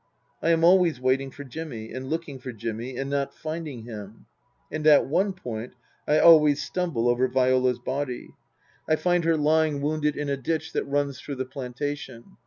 I am always waiting for Jimmy and looking for Jimmy and not finding him. And at one point I always stumble over Viola's body. I find her lying Book III : His Book 313 wounded in a ditch that runs through the plantation.